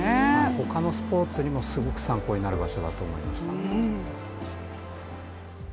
他のスポーツにもすごく参考になる場所だと思いました。